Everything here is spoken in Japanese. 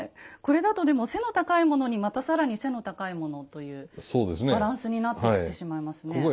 これだとでも背の高いものにまた更に背の高いものというバランスになってきてしまいますね。